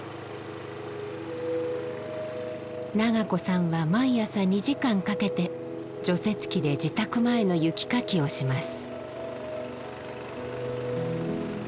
伸子さんは毎朝２時間かけて除雪機で自宅前の雪かきをします。